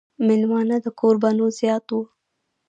مېلمانۀ د کوربنو زيات وو ـ